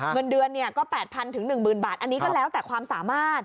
เงินเดือนก็๘๐๐๑๐๐บาทอันนี้ก็แล้วแต่ความสามารถ